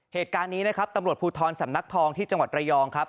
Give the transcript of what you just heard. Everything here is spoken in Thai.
เหตุการณ์นี้นะครับตำรวจภูทรสำนักทองที่จังหวัดระยองครับ